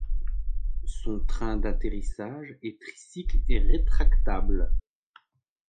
Son train d'atterrissage est tricycle et rétractable.